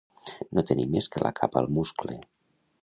No tenir més que la capa al muscle.